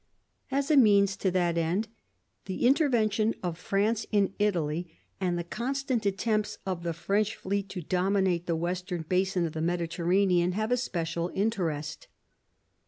As a means to that end the intervention of France in Italy, and the constant attempts of the French fleet to dominate the western basin of the Mediterranean, have a special interest.